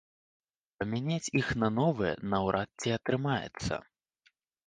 Памяняць іх на новыя наўрад ці атрымаецца.